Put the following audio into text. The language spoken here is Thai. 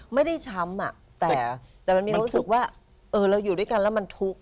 ไม่ได้ช้ำอะแต่มันมีรู้สึกว่าเออเราอยู่ด้วยกันแล้วมันทุกข์